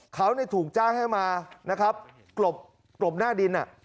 เขาถูกจ้างให้มากรบหน้าดิน